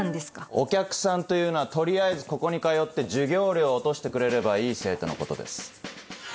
お客さんというのは取りあえずここに通って授業料を落としてくれればいい生徒のことです。